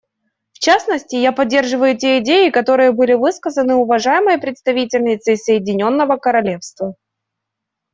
В частности, я поддерживаю те идеи, которые были высказаны уважаемой представительницей Соединенного Королевства.